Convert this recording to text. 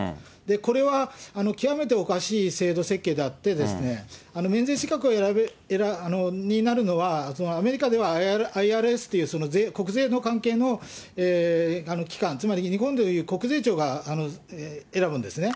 これはきわめておかしい制度設計であってですね、免税資格になるのは、アメリカでは、ＩＲＳという、国税の関係の機関、つまり日本でいう国税庁が選ぶんですね。